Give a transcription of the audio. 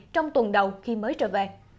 trong tuần đầu khi mới trở về